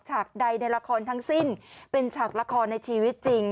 ใดในละครทั้งสิ้นเป็นฉากละครในชีวิตจริง